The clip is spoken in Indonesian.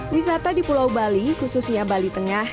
wisata di pulau bali khususnya bali tengah